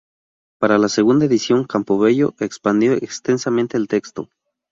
Para la segunda edición Campobello expandió extensamente el texto.